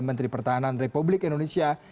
menteri pertahanan republik indonesia